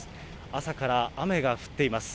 朝から雨が降っています。